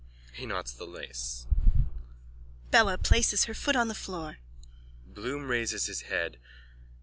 _(He knots the lace. Bella places her foot on the floor. Bloom raises his head.